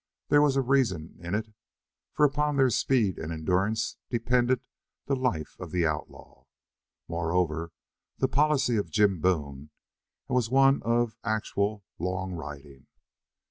There was a reason in it, for upon their speed and endurance depended the life of the outlaw. Moreover, the policy of Jim Boone was one of actual "long riding."